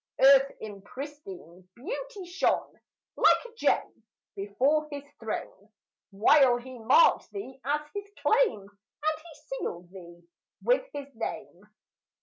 Earth in pristine beauty shone, Like a gem, before his throne, While he marked thee, as his claim And he sealed thee with his name.